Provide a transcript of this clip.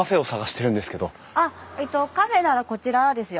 あっカフェならこちらですよ。